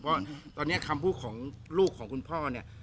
เพราะตอนนี้คำพูดของลูกของคุณพ่อเนี่ย